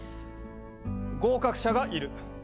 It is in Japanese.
合格者がいる。